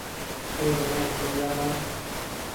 ڪي ني سمجهاڻو ۔